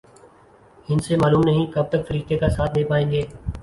ہندسے معلوم نہیں کب تک فرشتے کا ساتھ دے پائیں گے۔